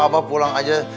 abah pulang aja